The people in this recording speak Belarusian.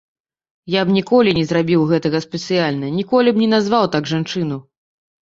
Я б ніколі не зрабіў гэтага спецыяльна, ніколі б не назваў так жанчыну.